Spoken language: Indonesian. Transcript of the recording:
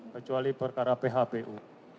kecuali perkara phpu